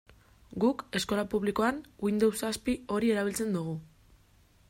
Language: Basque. Guk, eskola publikoan, Windows zazpi hori erabiltzen dugu.